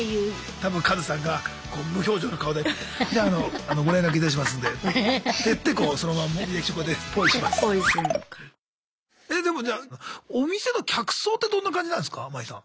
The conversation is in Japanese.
多分カズさんがこう無表情の顔で「じゃああのご連絡いたしますんで」って言ってこうそのまんまえでもじゃあお店の客層ってどんな感じなんすかマイさん。